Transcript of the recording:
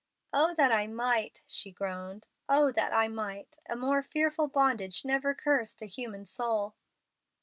"Oh that I might!" she groaned. "Oh that I might! A more fearful bondage never cursed a human soul!"